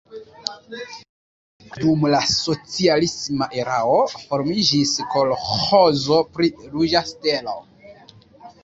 Dum la socialisma erao formiĝis kolĥozo pri Ruĝa Stelo.